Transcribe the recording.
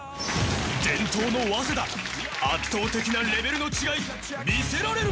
［伝統の早稲田圧倒的なレベルの違い見せられるか？］